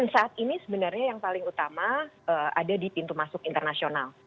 saat ini sebenarnya yang paling utama ada di pintu masuk internasional